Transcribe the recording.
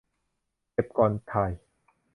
เก็บก่อนถ่าย